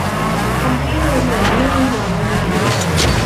ทำให้ดูเหมือนไม่มีหัวนมนั้น